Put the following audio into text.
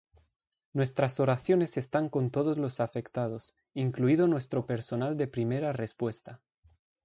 Nuestras oraciones están con todos los afectados, incluido nuestro personal de primera respuesta".